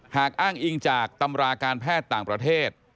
อ้างอิงจากตำราการแพทย์ต่างประเทศ